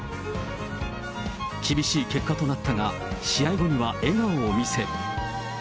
厳しい結果となったが試合後には笑顔を見せ。